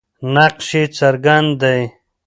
نقش یې څرګند دی.